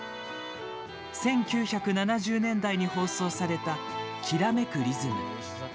１９７０年代に放送された「きらめくリズム」です。